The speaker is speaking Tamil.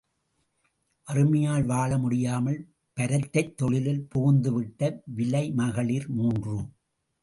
வறுமையால் வாழ முடியாமல் பரத்தைத் தொழிலில் புகுந்துவிட்ட விலைமகளிர் மூன்று.